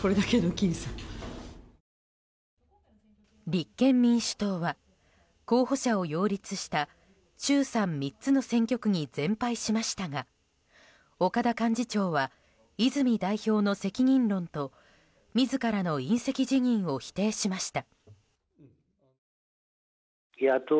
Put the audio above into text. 立憲民主党は候補者を擁立した衆参３つの選挙区に全敗しましたが岡田幹事長は泉代表の責任論と自らの引責辞任を否定しました。